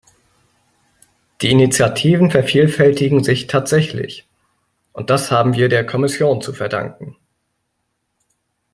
Die Initiativen vervielfältigen sich tatsächlich, und das haben wir der Kommission zu verdanken.